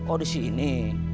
oh di sini